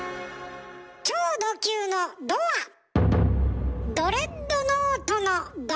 超ド級の「ド」はドレッドノートの「ド」。